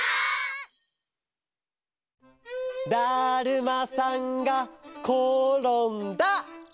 だるまさんがころんだ！